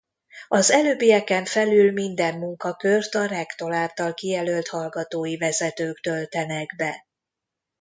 Az előbbieken felül minden munkakört a rektor által kijelölt hallgatói vezetők töltenek be.